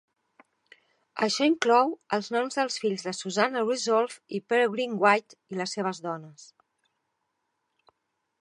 Això inclou els noms dels fills de Susanna Resolved i Peregrine White i les seves dones.